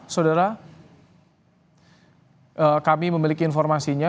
saudara kami memiliki informasinya